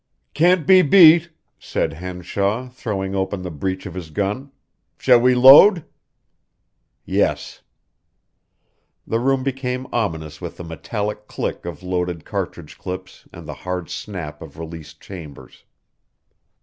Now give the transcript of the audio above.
"Can't be beat," said Henshaw, throwing open the breech of his gun. "Shall we load?" "Yes." The room became ominous with the metallic click of loaded cartridge clips and the hard snap of released chambers.